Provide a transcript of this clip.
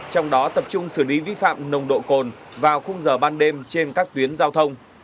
trong đó tập trung xử lý vi phạm nồng độ cồn vào khung giờ ban đêm trên các tuyến giao thông